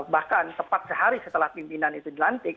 bahkan tepat sehari setelah pimpinan itu dilantik